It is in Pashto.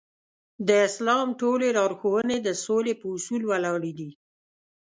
د اسلام ټولې لارښوونې د سولې په اصول ولاړې دي.